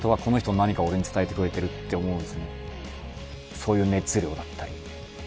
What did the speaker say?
そういう熱量だったり。